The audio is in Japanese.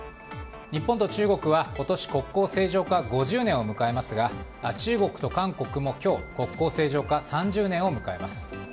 日本と中国は今年国交正常化５０年を迎えますが中国と韓国も今日国交正常化３０年を迎えます。